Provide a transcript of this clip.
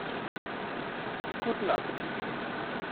Guten Appetit!